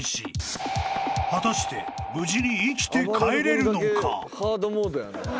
［果たして無事に生きて帰れるのか］